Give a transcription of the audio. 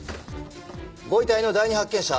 ご遺体の第二発見者